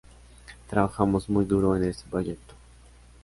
Trabajamos muy duro en este proyecto.